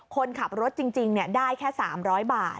คนขับรถจริงได้แค่๓๐๐บาท